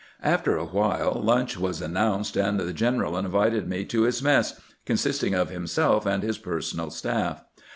After a while lunch was announced, and the general invited me to his mess, consisting of himself and his personal staff.